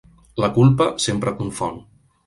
La culpa sempre confon.